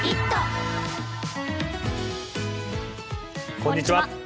こんにちは。